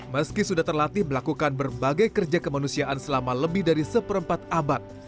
meski sudah terlatih melakukan berbagai kerja kemanusiaan selama lebih dari seperempat abad